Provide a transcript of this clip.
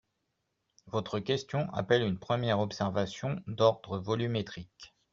Votre question appelle une première observation d’ordre volumétrique.